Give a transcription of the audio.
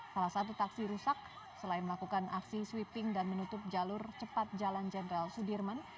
salah satu taksi rusak selain melakukan aksi sweeping dan menutup jalur cepat jalan jenderal sudirman